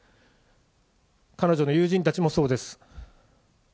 彼女の友人たちもそうです。